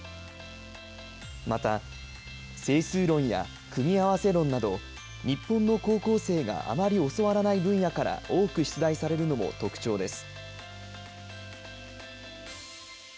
また、整数論や組み合わせ論など、日本の高校生があまり教わらない分野から多く出題されるのも特徴です。